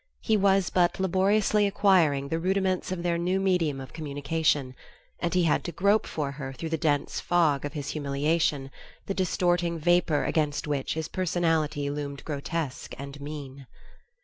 He was but laboriously acquiring the rudiments of their new medium of communication; and he had to grope for her through the dense fog of his humiliation, the distorting vapor against which his personality loomed grotesque and mean.